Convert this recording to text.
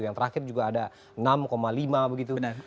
yang terakhir juga ada enam lima begitu